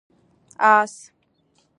🐎 آس